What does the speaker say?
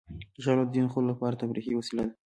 ژاوله د ځینو خلکو لپاره تفریحي وسیله ده.